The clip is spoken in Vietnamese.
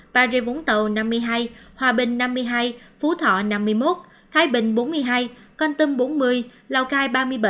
năm mươi bốn bà rê vũng tàu năm mươi hai hòa bình năm mươi hai phú thọ năm mươi một thái bình bốn mươi hai con tâm bốn mươi lào cai